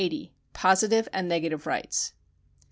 Positive and Negative Rig^hts.